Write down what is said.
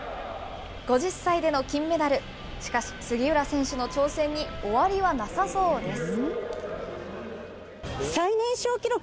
５０歳での金メダル、しかし、杉浦選手の挑戦に終わりはなさそうです。